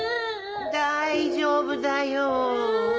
大丈夫だよ。